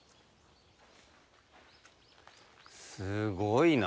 すごいな。